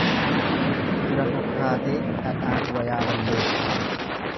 Fira fakkaatee dhadhaan wayaa balleessa.